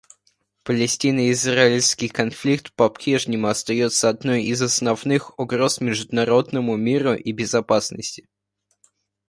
Палестино-израильский конфликт попрежнему остается одной из основных угроз международному миру и безопасности.